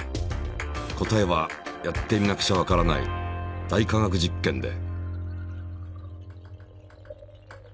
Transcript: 答えはやってみなくちゃわからない「大科学実験」で。